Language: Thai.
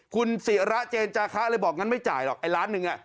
คุณศิระเจนจาคะเลยบอกงั้นไม่จ่ายหรอกไอ้ล้านหนึ่ง